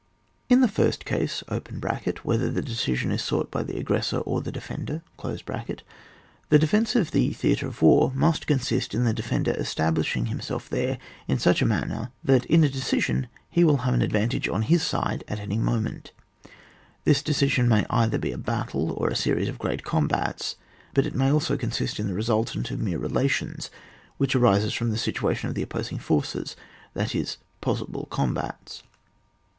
In the first case (whether the decision is sought by the aggressor or the de fender) the defence of the theatre of war must consist in the defender establishing himself there in such a manner, that in a decision he will have an advan tage on his side at any moment. This decision may be either a battle, or a series of great combats, but it may also consist in the resultant of mere relations, which arise from the situation of the opposing forces, that is, possible combats.